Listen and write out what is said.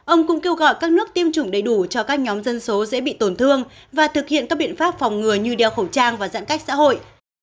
ông cũng kêu gọi các nước tiêm chủng đầy đủ cho các nhóm dân số dễ bị tổn thương và thực hiện các biện pháp phòng ngừa như đeo khẩu trang và giãn cách xã hội